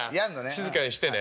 静かにしてね。